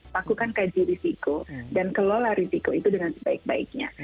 lakukan kaji risiko dan kelola risiko itu dengan sebaik baiknya